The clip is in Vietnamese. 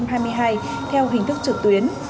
theo hình thức trực tuyến